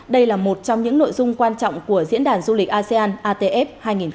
đây là một trong những nội dung quan trọng của diễn đàn du lịch asean atf hai nghìn hai mươi